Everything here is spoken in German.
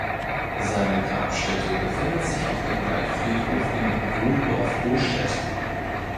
Seine Grabstätte befindet sich auf dem Waldfriedhof in Wohldorf-Ohlstedt.